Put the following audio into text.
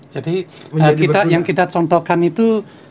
jadi yang kita contohkan itu